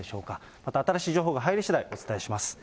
また新しい情報が入りしだい、お伝えします。